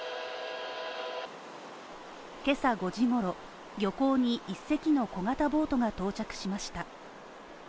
今朝５時頃、漁港に１隻の小型ボートが到着しました。